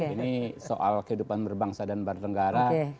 ini soal kehidupan berbangsa dan bernegara